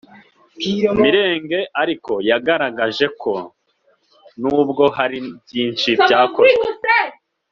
Mirenge ariko yanagaragaje ko nubwo hari byinshi byakozwe